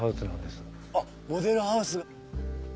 あっモデルハウス。